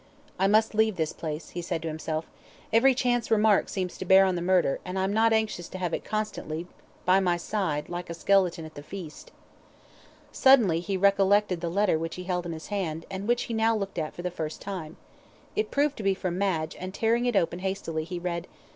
"I must leave this place," he said to himself; "every chance remark seems to bear on the murder, and I'm not anxious to have it constantly by my side like the skeleton at the feast." Suddenly he recollected the letter which he held in his hand, and which he now looked at for the first time. It proved to be from Madge, and tearing it open hastily, he read it.